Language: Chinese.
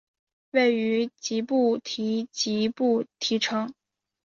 位于吉布提吉布提城。